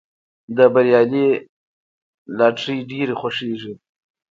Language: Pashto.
د بریالي لټیري ډېر خوښیږي.